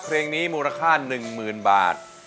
เพลงนี้มูลค่า๑๐๐๐บาท